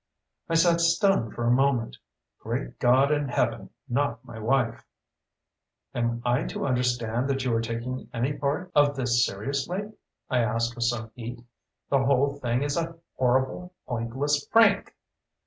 I sat stunned for a moment. Great God in Heaven, not my wife! "Am I to understand that you are taking any part of this seriously?" I asked with some heat. "The whole thing is a horrible, pointless prank!"